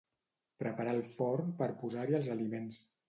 Preparar el forn per posar-hi els aliments.